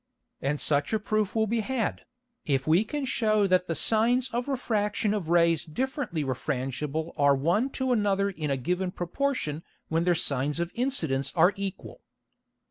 And such a Proof will be had, if we can shew that the Sines of Refraction of Rays differently refrangible are one to another in a given Proportion when their Sines of Incidence are equal.